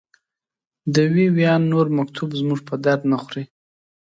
د وي ویان نور مکتوب زموږ په درد نه خوري.